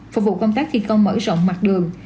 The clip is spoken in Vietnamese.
phục vụ công tác thi công mở rộng mặt đường